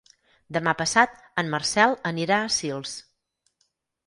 Demà passat en Marcel anirà a Sils.